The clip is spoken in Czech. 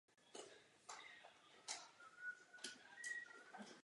Studoval filosofii a teologii v kněžském semináři v Gdaňsku.